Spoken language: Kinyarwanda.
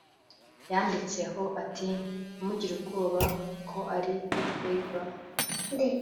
yanditse ho ati “Ntimugire ubwoba ko ari Bieber